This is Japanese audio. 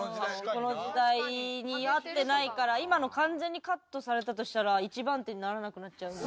この時代に合ってないから今の完全にカットされたとしたら１番手にならなくなっちゃうんで。